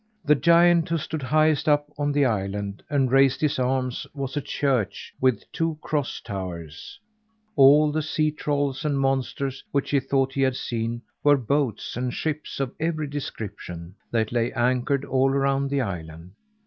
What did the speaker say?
The giant, who stood highest up on the island, and raised his arms, was a church with two cross towers; all the sea trolls and monsters, which he thought he had seen, were boats and ships of every description, that lay anchored all around the island.